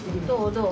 どう？